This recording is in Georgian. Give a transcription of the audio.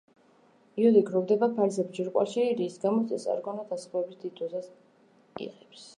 იოდი გროვდება ფარისებრ ჯირკვალში, რის გამოც ეს ორგანო დასხივების დიდ დოზას იღებს.